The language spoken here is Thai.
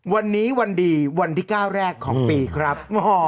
วันนี้วันดีวันที่๙แรกของปีครับ